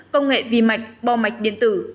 công nghệ vi mạch bo mạch điện tử